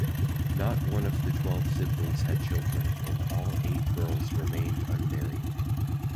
Not one of the twelve siblings had children, and all eight girls remained unmarried.